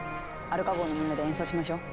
アルカ号のみんなで演奏しましょう。